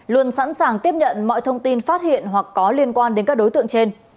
luôn sẵn sàng tiếp nhận mọi thông tin phát hiện hoặc có liên quan đến các đối tượng trên